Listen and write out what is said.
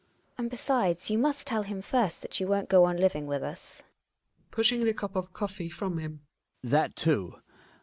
GiNA. And besides you must tell him first that you won't go on living with us. Hjalmar {pushing the cup of coffee from him). That too!